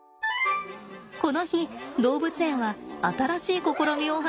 この日動物園は新しい試みを始めました。